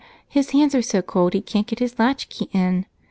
His hands are so cold he can't get his latchkey in.